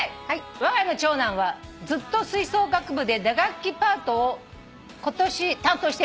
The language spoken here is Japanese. わが家の長男はずっと吹奏楽部で打楽器パートを今年担当しています」